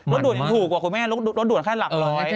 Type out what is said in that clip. ด่วนยังถูกกว่าคุณแม่รถด่วนแค่หลักร้อย